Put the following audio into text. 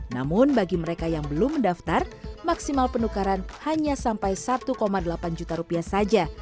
namun bagi mereka yang belum mendaftar maksimal penukaran hanya sampai satu delapan juta rupiah saja